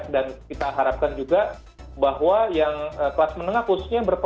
dan kita harapkan juga bahwa yang kelas menengah khususnya